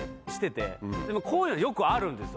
こういうのよくあるんですよ